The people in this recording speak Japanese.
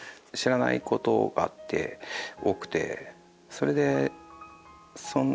それで。